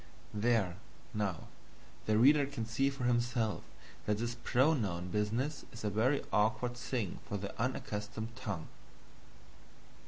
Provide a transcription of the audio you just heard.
There, now, the reader can see for himself that this pronoun business is a very awkward thing for the unaccustomed tongue.